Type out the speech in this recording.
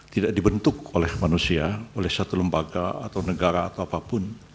tidak dibentuk oleh manusia oleh satu lembaga atau negara atau apapun